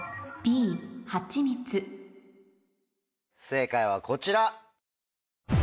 正解はこちら。